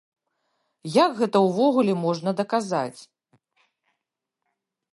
Як гэта ўвогуле можна даказаць?